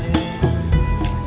kamu yang dikasih